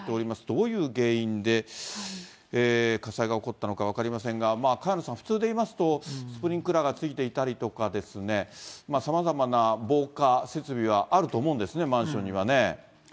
どういう原因で火災が起こったのか分かりませんが、萱野さん、普通でいいますとスプリンクラーがついていたりですとか、さまざまな防火設備はあると思うんですね、マンションにはね。